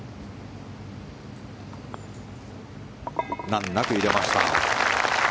難なく入れました。